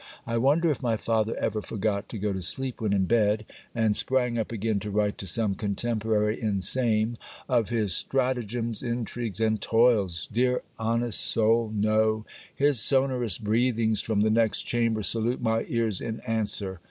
I wonder if my father ever forgot to go to sleep when in bed, and sprang up again to write to some contemporary in same of his stratagems, intrigues, and toils? Dear honest soul, no: his sonorous breathings from the next chamber salute my ears in answer.